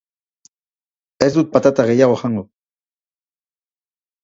Ez dut patata gehiago jango.